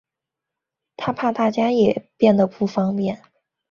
她怕大家也变得不方便